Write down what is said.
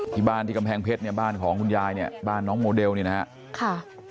ที่บ้านที่กำแพงเพชรเนี่ยบ้านของคุณยายเนี่ยบ้านน้องโมเดลเนี่ยนะครับ